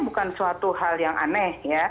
bukan suatu hal yang aneh